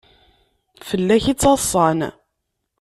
Fell-ak i ttaḍsan.